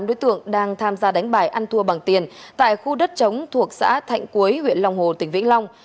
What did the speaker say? lực lượng công an tỉnh vĩnh long đang tham gia đánh bài ăn thua bằng tiền tại khu đất chống thuộc xã thạnh cuối huyện long hồ tỉnh vĩnh long